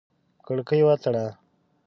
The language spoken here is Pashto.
کړکۍ وتړه!